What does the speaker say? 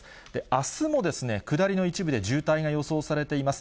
あすも下りの一部で渋滞が予想されています。